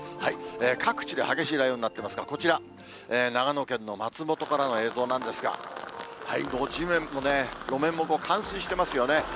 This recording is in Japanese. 各地で激しい雷雨になっていますが、こちら、長野県の松本からの映像なんですが、もう路面も冠水してますよね。